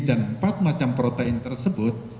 dan empat macam protein tersebut